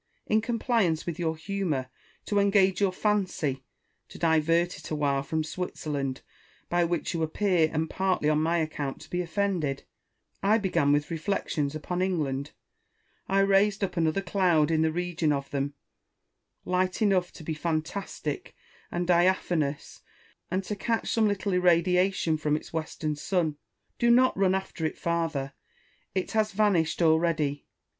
In compliance with your humour, to engage your fancy, to divert it awhile from Switzerland, by which you appear and partly on my account to be offended, I began with reflections upon England : I raised up another cloud in the region of them, light enough to be fantastic and diaphanous, and to catch some little irradiation from its western sun. Do not run after it farther ; it has vanished already.